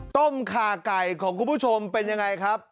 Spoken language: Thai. ขาไก่ของคุณผู้ชมเป็นยังไงครับ